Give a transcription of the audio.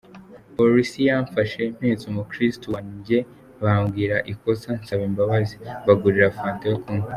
Polisi yamfashe mpetse umukirisitu wanjye bambwira ikosa nsaba imbabazi mbagurira Fanta yo kunywa”.